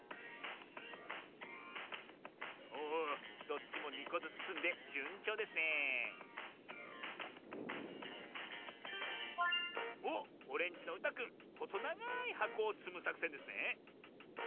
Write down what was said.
おおどっちも２こずつつんでじゅんちょうですねえおっオレンジのうたくんほそながいはこをつむさくせんですね。